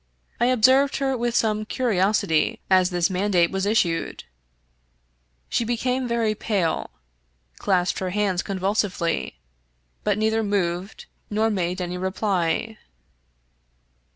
I observed her with some curiosity as this mandate was issued. She be came very pale, clasped her hands convulsively, but neither moved nor made any reply.